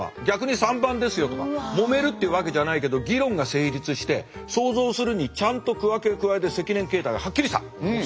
逆に「３番ですよ」とかもめるっていうわけじゃないけど議論が成立して想像するにちゃんと区分けを加えて責任形態がはっきりした。